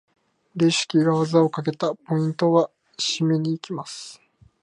レシキが技をかけた！ポイントは？締めに行きます！